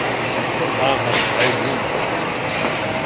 Das Paar hat drei Söhne.